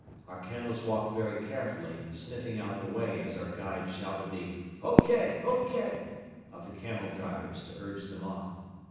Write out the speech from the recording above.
Our camels walked very carefully, sniffing out the way as our guide shouted the "Ok! Ok!" of the camel drivers to urge them on.